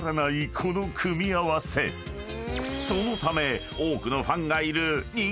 ［そのため］